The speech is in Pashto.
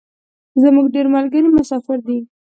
زمونږ ډیری ملګري مسافر دی